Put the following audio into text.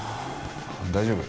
大丈夫。